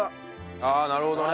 ああなるほどね。